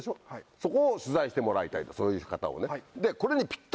そこを取材してもらいたいのそういう方をね。